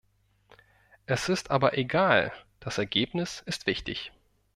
Es ist aber egal, das Ergebnis ist wichtig.